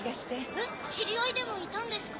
えっ知り合いでもいたんですか？